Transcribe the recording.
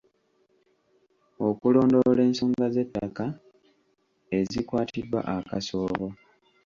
Okulondoola ensonga z'ettaka ezikwatiddwa akasoobo.